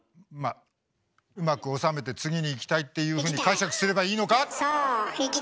まあうまく収めて次にいきたいっていうふうに解釈すればいいのか？